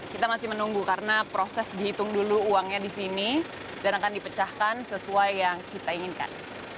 kita masih menunggu karena proses dihitung dulu uangnya di sini dan akan dipecahkan sesuai yang kita inginkan